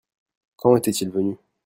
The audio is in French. Quand était-il venu ?